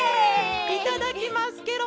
いただきますケロ！